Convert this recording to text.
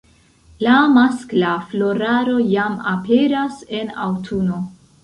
La maskla floraro jam aperas en aŭtuno.